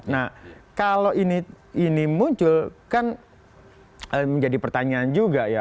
nah kalau ini muncul kan menjadi pertanyaan juga ya